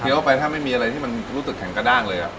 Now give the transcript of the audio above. เข้าไปถ้าไม่มีอะไรที่มันรู้สึกแข็งกระด้างเลย